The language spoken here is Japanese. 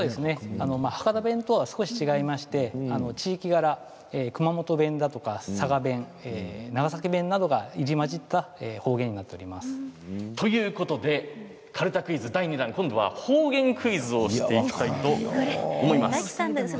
博多弁とは少し違いまして地域柄熊本弁や佐賀弁、長崎弁などが入り交じった方言になっておりということで方言クイズ第２段今度は方言クイズをしていきたいと思います。